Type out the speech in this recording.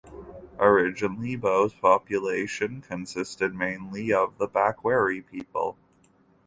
Originally, Buea's population consisted mainly of the Bakweri people.